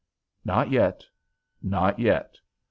Not yet; not yet.